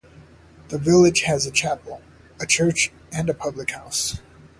The village has a chapel, a church and a public house.